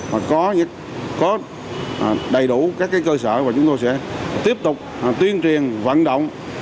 mà có đầy đủ các cơ sở và chúng tôi sẽ tiếp tục tuyên truyền vận động